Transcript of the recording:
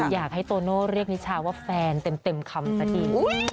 โตโน่เรียกนิชาว่าแฟนเต็มคำสักที